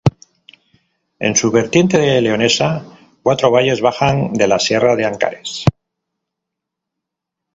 En su vertiente leonesa, cuatro valles bajan de la sierra de Ancares.